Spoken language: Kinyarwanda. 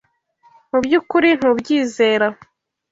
Mubyukuri ntubyizera.